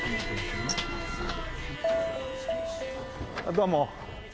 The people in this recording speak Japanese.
どうも。